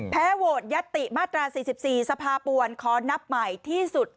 แพ้โวทย์ยัตติมาตร๔๔สภาปรวญขอหนับใหม่ที่สุด